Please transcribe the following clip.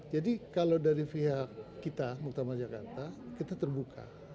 jadi kalau dari pihak kita muktamar jakarta kita terbuka